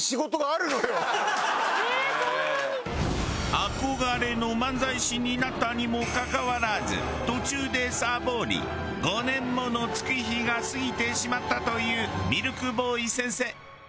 憧れの漫才師になったにもかかわらず途中でサボり５年もの月日が過ぎてしまったというミルクボーイ先生。